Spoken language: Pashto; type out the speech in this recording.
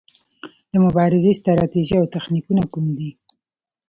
د مبارزې ستراتیژي او تخنیکونه کوم دي؟